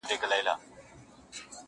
بس همدغه لېونتوب یې وو ښودلی،،!